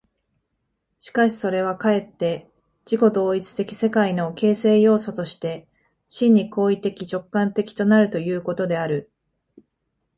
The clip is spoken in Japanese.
しかしそれはかえって自己同一的世界の形成要素として、真に行為的直観的となるということである。